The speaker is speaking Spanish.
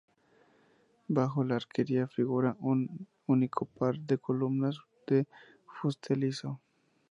Bajo la arquería figura un único par de columnas de fuste liso.